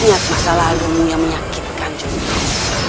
ini niat masa lalu yang menyakitkan jum'at